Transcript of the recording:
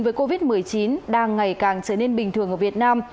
với covid một mươi chín đang ngày càng trở nên bình thường ở việt nam